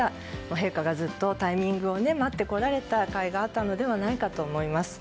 陛下がずっとタイミングを待ってこられたかいがあったのではないかと思います。